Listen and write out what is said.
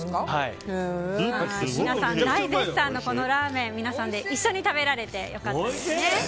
皆さん大絶賛のこのラーメンを一緒に食べられて良かったですね。